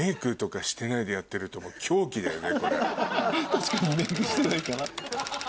確かにメイクしてない。